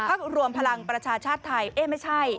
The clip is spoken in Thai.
รวมพลังประชาชาติไทยเอ๊ะไม่ใช่